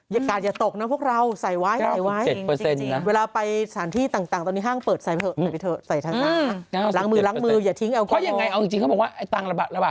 อย่าการอย่าตกน่ะพวกเรา